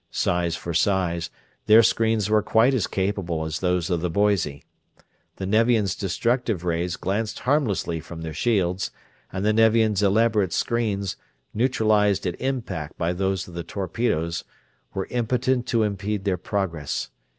Size for size, their screens were quite as capable as those of the Boise. The Nevians' destructive rays glanced harmlessly from their shields, and the Nevians' elaborate screens, neutralized at impact by those of the torpedoes, were impotent to impede their progress.